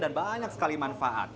dan banyak sekali manfaat